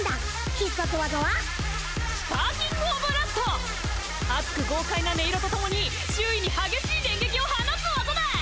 必殺技は熱く豪快な音色とともに周囲に激しい電撃を放つ技だ！